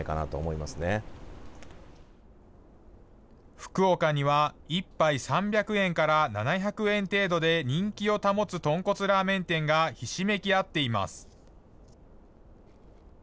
福岡には、１杯３００円から７００円程度で人気を保つ豚骨ラーメン店がひしめき合っています。